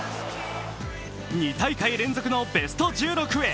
２大会連続のベスト１６へ。